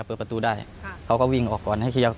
เปิดประตูได้เขาก็วิ่งออกก่อนให้เคลียร์